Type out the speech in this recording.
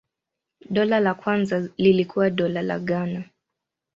Dola la kwanza lilikuwa Dola la Ghana.